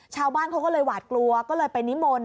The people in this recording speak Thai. ชาวบ้านเขาก็เลยหวาดกลัวก็เลยไปนิมนต์